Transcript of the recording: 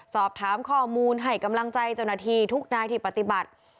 สอบถามข้อมูลให้กำลังใจเจ้าหน้าที่ทุกนายที่ปฏิบัติ